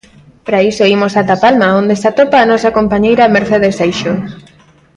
Para iso imos ata Palma, onde se atopa a nosa compañeira Mercedes Seixo.